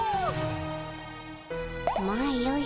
まあよい。